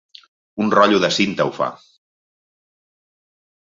Un rotllo de cinta ho fa.